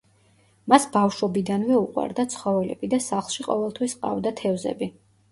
მას ბავშვობიდანვე უყვარდა ცხოველები და სახლში ყოველთვის ჰყავდა თევზები.